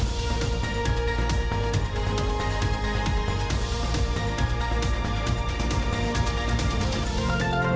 สวัสดีค่ะ